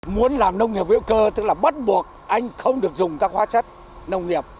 muốn làm nông nghiệp hữu cơ tức là bắt buộc anh không được dùng các hóa chất nông nghiệp